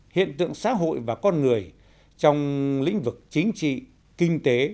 hiện tượng xã hội và con người trong lĩnh vực chính trị kinh tế